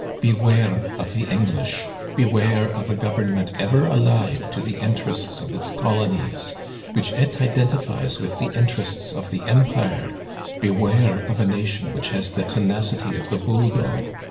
Beware of the English, beware of a government ever alive to the interests of its colonies, which it identifies with the interests of the em pire ; beware of a nation which has the tenacity of the bull dog.